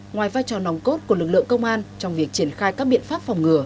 ngoài vai trò nòng cốt của lực lượng công an trong việc triển khai các biện pháp phòng ngừa